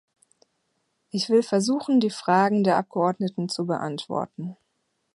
Ich will versuchen, die Fragen der Abgeordneten zu beantworten.